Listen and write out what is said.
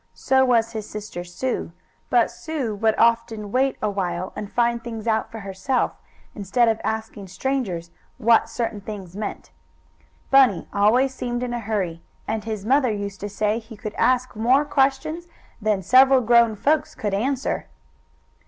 So was his sister Sue; but Sue would often wait a while and find things out for herself, instead of asking strangers what certain things meant. Bunny always seemed in a hurry, and his mother used to say he could ask more questions than several grown folks could answer.